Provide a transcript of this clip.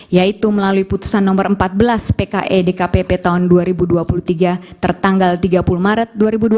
yaitu melalui putusan nomor empat belas pke dkpp tahun dua ribu dua puluh tiga tertanggal tiga puluh maret dua ribu dua puluh